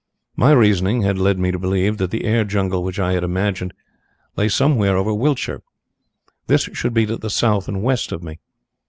My reasoning had led me to believe that the air jungle which I had imagined lay somewhere over Wiltshire. This should be to the south and west of me.